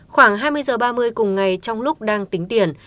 khoảng hai mươi h ba mươi cùng ngày trong lúc đang tính tiền